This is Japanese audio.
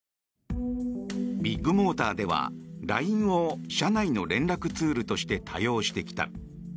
ビッグモーターではＬＩＮＥを社内の連絡ツールとして多用してきた。